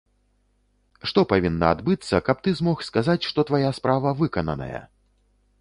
Што павінна адбыцца, каб ты змог сказаць, што твая справа выкананая?